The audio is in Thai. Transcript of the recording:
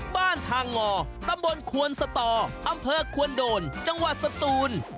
ทางงอตำบลควนสตออำเภอควนโดนจังหวัดสตูน